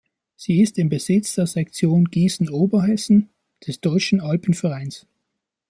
Sie ist im Besitz der Sektion Gießen-Oberhessen des Deutschen Alpenvereins.